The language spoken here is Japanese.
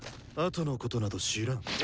あとのことなど知らん。